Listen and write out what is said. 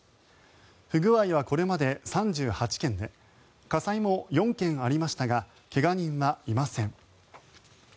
不具合はこれまで３８件で火災も４件ありましたが怪我人はいません。